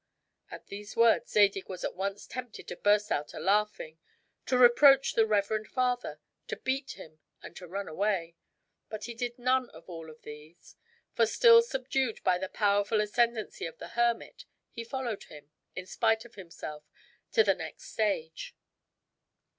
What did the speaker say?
At these words Zadig was at once tempted to burst out a laughing, to reproach the reverend father, to beat him, and to run away. But he did none of all of these, for still subdued by the powerful ascendancy of the hermit, he followed him, in spite of himself, to the next stage.